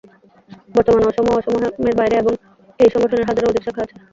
বর্তমানে অসম ও অসমের বাইরে এই সংগঠনের হাজারেরও অধিক শাখা আছে।